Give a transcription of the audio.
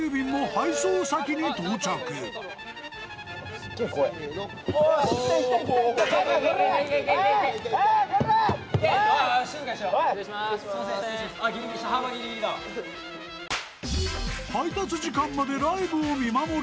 ［配達時間までライブを見守る４人］